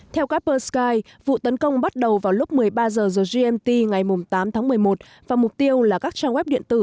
theo kaspersky vụ tấn công bắt đầu vào lúc một mươi ba h giờ gmt ngày tám một mươi một và mục tiêu là các trang web điện tử